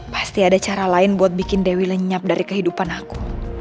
pasti ada cara lain buat bikin dewi lenyap dari kehidupan aku